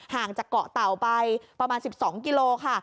ห่างจากเกาะเต่าไปประมาณ๑๒กิโลค่ะ